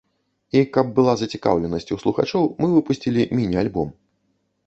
І, каб была зацікаўленасць у слухачоў, мы выпусцілі міні-альбом.